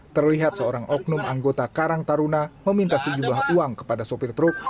terlihat seorang oknum anggota karang taruna meminta sejumlah uang kepada sopir truk